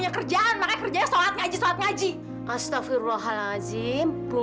aku tak berniataaaailb